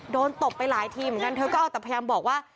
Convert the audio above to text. ตบไปหลายทีเหมือนกันเธอก็เอาแต่พยายามบอกว่า